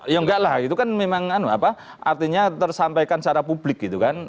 ya enggak lah itu kan memang apa artinya tersampaikan secara publik gitu kan